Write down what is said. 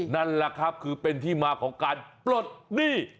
นั่นแหละครับคือเป็นที่มาของการปลดหนี้